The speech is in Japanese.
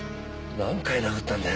何回殴ったんだよ。